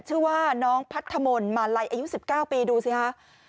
ชื่อว่าน้องพัทธมนต์มาลัยอายุ๑๙ปีดูสิฮะ